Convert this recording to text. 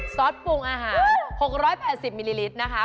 ซอสปรุงอาหาร๖๘๐มิลลิลิตรนะคะ